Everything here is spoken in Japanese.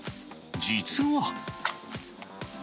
実は。